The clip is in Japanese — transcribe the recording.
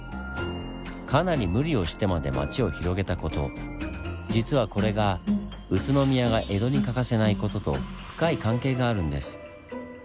かなり無理をしてまで町を広げた事実はこれが宇都宮が江戸に欠かせない事と深い関係があるんです。